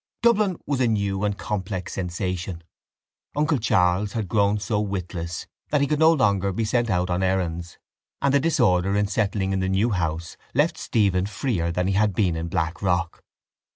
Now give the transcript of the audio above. Dublin was a new and complex sensation. Uncle Charles had grown so witless that he could no longer be sent out on errands and the disorder in settling in the new house left Stephen freer than he had been in Blackrock.